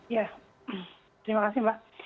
ya terima kasih mbak